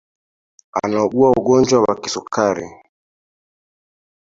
Anaugua ugonjwa wa kisukari